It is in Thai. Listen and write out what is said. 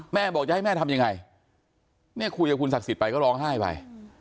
แม่บอกจะให้แม่ทำยังไงเนี่ยคุยกับคุณศักดิ์สิทธิ์ไปก็ร้องไห้ไป